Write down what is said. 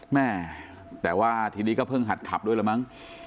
แม่แต่ว่าทีนี้ก็เพิ่งหัดขับด้วยละมั้ง